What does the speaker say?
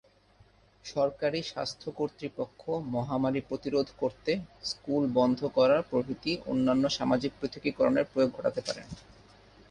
সরকারী স্বাস্থ্য কর্তৃপক্ষ মহামারী প্রতিরোধ করতে, স্কুল বন্ধ করা প্রভৃতি অন্যান্য সামাজিক পৃথকীকরণের প্রয়োগ ঘটাতে পারেন।